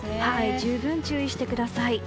十分、注意してください。